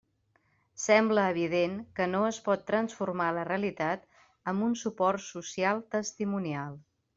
Sembla evident que no es pot transformar la realitat amb un suport social testimonial.